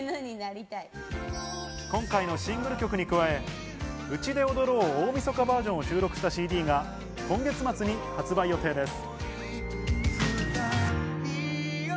今回のシングル曲に加え、『うちで踊ろう』バージョンを収録したＣＤが今月末に発売予定です。